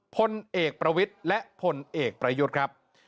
พลเอกประวิทย์และพลเอกประยุทธ์ครับ